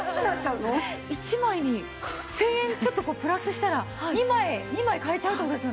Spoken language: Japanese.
１枚に１０００円ちょっとプラスしたら２枚買えちゃうって事ですよね？